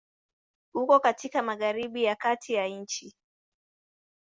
Uko katika Magharibi ya Kati ya nchi.